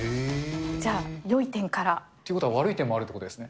じゃあ、よい点から。ということは悪い点もあるということですね。